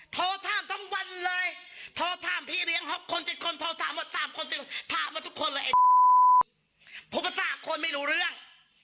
โทษท่ามทั้งวันเลยโทษท่ามพี่เลี้ยง๖คน๗คนโทษท่าม๓คน๑๐คนท่ามมาทุกคนเลยไอ้พวกมันสร้างคนไม่รู้เรื่อง